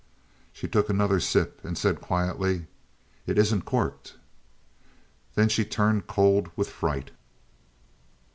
She took another sip and said quietly: "It isn't corked." Then she turned cold with fright.